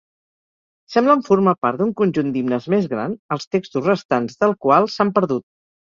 Semblen formar part d'un conjunt d'himnes més gran, els textos restants del qual s'han perdut.